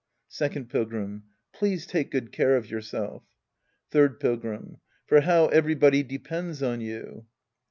Second Pilgrim. Please take good care of yourself. Third Pilgrim. For how everybody depends on you